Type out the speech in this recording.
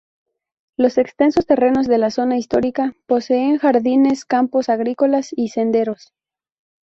Los extensos terrenos de la zona histórica poseen jardines, campos agrícolas, y senderos.